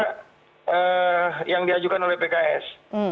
dan yang diajukan oleh pks